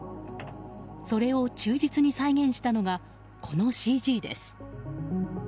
それを忠実に再現したのがこのＣＧです。